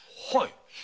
はい。